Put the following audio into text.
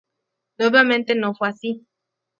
Nuevamente no fue así.